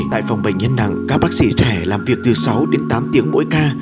tại phòng bệnh nhân nặng các bác sĩ trẻ làm việc từ sáu đến tám tiếng mỗi ca